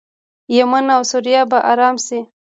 یمن او سوریه به ارام شي.